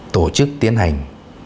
tổ chức tiến hành